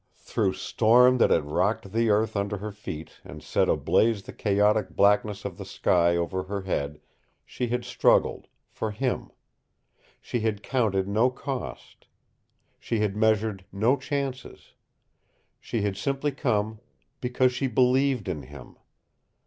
Through storm that had rocked the earth under her feet and set ablaze the chaotic blackness of the sky over her head she had struggled for him. She had counted no cost. She had measured no chances. She had simply come BECAUSE SHE BELIEVED IN HIM.